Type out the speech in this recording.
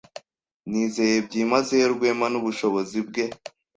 Nizeye byimazeyo Rwema n'ubushobozi bwe.